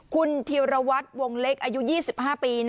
คุณธีรวัตรวงเล็กอายุ๒๕ปี